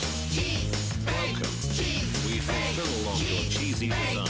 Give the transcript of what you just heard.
チーズ！